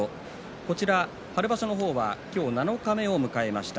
こちら春場所の方は今日、七日目を迎えました。